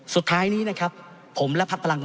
สุดท้ายนะครับผมและภรรณภรรพลังแตน